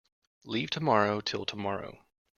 Leave tomorrow till tomorrow.